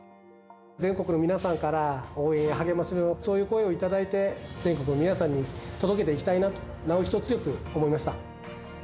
全国の皆さんから応援や励ましの、そういう声を頂きまして、全国の皆さんに届けていきたいなと、なお一層強く思いました。